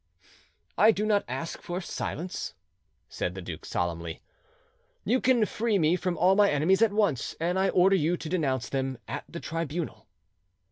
"I do not ask for silence," said the duke solemnly; "you can free me from all my enemies at once, and I order you to denounce them at the tribunal."